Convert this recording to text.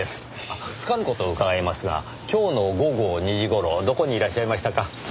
あっつかぬ事を伺いますが今日の午後２時頃どこにいらっしゃいましたか？